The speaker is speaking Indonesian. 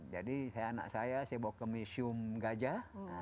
jadi anak saya saya bawa ke museum gajah